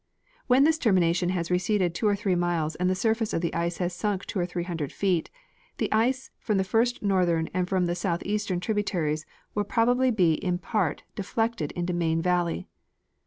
When this termination has receded two or three miles and the surface of the ice has sunk two or three hundred feet, the ice from the first northern and from the southeastern tributaries will probably be in part de flected into Main valley.